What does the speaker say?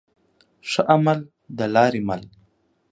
ښه عمل د لاري مل.